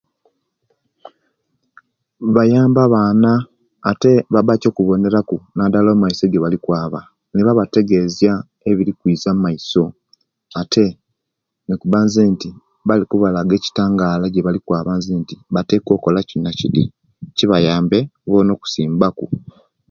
Bayamba abaana ate baba kyokubonera ku nadala omaiso ejibali kwaaba, nibategezya ebirikwiiza omaiso; ate nokuba nzenti nokubalaga ekitaangala ejebali kwaaba nzenti batekwa okola kidi na kidi kibayambe boona okusimbaku.